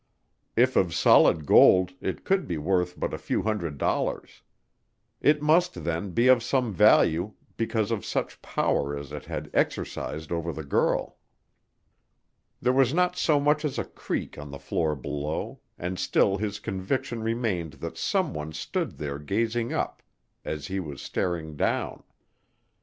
If of solid gold it could be worth but a few hundred dollars. It must, then, be of value because of such power as it had exercised over the girl. There was not so much as a creak on the floor below, and still his conviction remained that someone stood there gazing up as he was staring down.